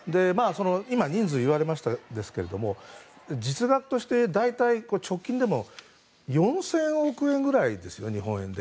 今、人数を言われましたが実額として直近でも４０００億円ぐらいですね。